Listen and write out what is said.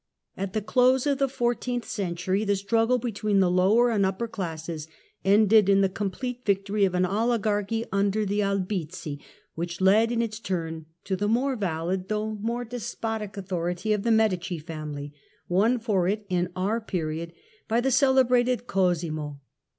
At the close of the four teenth century, the struggle between the lower and upper classes ended in the complete victory of an oli garchy under the Albizzi, which led in its turn to the more valid though more despotic authority of the Medici family, won for it in our period by the celebrated Cosimo.